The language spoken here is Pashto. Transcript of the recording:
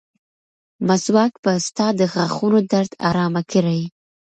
مسواک به ستا د غاښونو درد ارامه کړي.